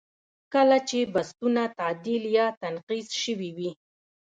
کله چې بستونه تعدیل یا تنقیض شوي وي.